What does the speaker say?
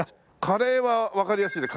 カレーはわかりやすいね